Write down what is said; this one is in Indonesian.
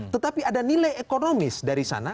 tetapi ada nilai ekonomis dari sana